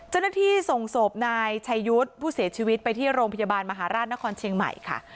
เจ้าหน้าที่ส่งศพนายชายุทธ์ผู้เสียชีวิตไปที่โรงพยาบาลมหาราชนครเชียงใหม่ค่ะ